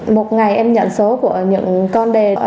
một ngày em nhận số của những con đề